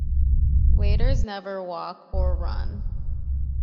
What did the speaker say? Waiters never walk or run.